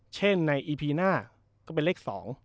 เช่นในอีพีหน้าก็เป็นเลข๒